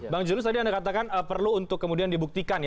bang julius tadi anda katakan perlu untuk kemudian dibuktikan